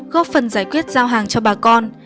góp phần giải quyết giao hàng cho bà con